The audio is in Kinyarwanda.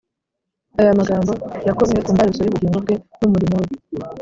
” Aya magambo yakomye ku mbarutso y’ubugingo bwe n’umurimo we